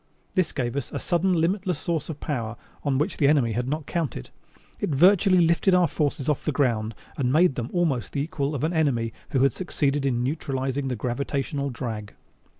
This gave us a sudden limitless source of power on which the enemy had not counted. It virtually lifted our forces off the ground and made them almost the equal of an enemy who had succeeded in neutralizing the gravitational drag.